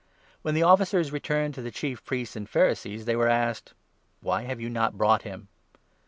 When the officers returned to the Chief Priests and Pharisees, 45 they were asked :" Why have you not brought him